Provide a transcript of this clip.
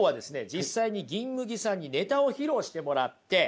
実際に銀麦さんにネタを披露してもらって。